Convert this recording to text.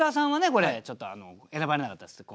これちょっと選ばれなかったですね